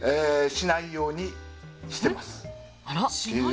しないようにしている。